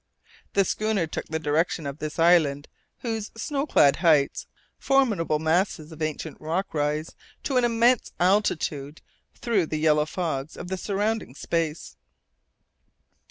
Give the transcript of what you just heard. The schooner took the direction of this island, whose snow clad heights formidable masses of ancient rock rise to an immense altitude through the yellow fogs of the surrounding space.